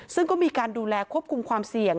ซึ่งก็มีการดูแลควบคุมความเสี่ยง